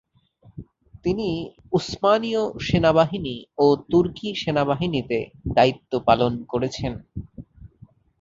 তিনি উসমানীয় সেনাবাহিনী ও তুর্কি সেনাবাহিনীতে দায়িত্ব পালন করেছেন।